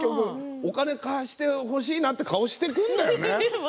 お金を貸してほしいという顔しているんだよね。